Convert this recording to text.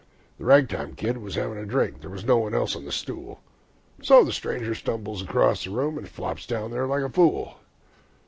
The rag time kid was having a drink; there was no one else on the stool, So the stranger stumbles across the room, and flops down there like a fool.